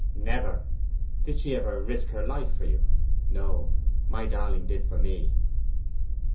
'Never! Did she ever risk her life for you no! My darling did for me.